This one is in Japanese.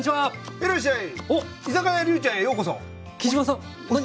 いらっしゃい。